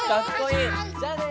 じゃあね！